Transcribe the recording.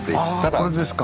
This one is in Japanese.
あこれですか。